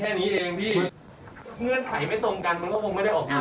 แค่เดินขึ้นเอง